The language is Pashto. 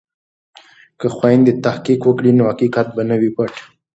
که خویندې تحقیق وکړي نو حقیقت به نه وي پټ.